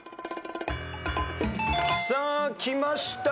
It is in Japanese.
さあきました。